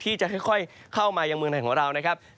ที่จะค่อยเข้ามายังเมืองไทยของเรานะครับ